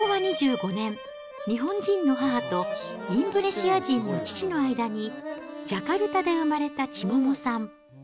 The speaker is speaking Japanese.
昭和２５年、日本人の母とインドネシア人の父の間にジャカルタで生まれた千桃さん。